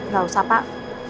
gak usah pak